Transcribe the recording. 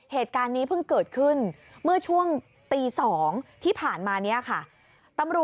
เหตุการณ์นี้เพิ่งเกิดขึ้นเมื่อช่วงตี๒ที่ผ่านมานี้ค่ะ